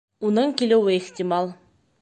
Уның килеүе ихтимал